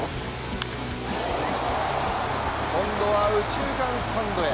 今度は右中間スタンドへ。